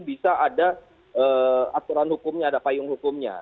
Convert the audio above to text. bisa ada aturan hukumnya ada payung hukumnya